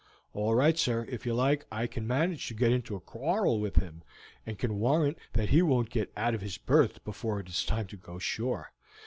"All right, sir; if you like, I can manage to get into a quarrel with him, and can warrant that he won't get out of his berth before it is time to go ashore."